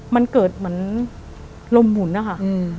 มันเกิดเหมือนลมหมุนนะคะ